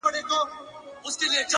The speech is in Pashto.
د بشريت له روحه وباسه ته!!